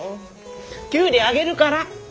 キュウリあげるから！